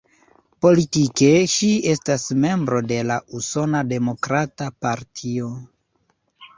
Politike ŝi estas membro de la Usona Demokrata Partio.